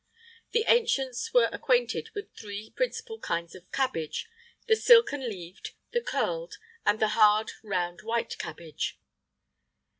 [IX 17] The ancients were acquainted with three principal kinds of cabbage: the silken leaved, the curled, and the hard, round, white cabbage.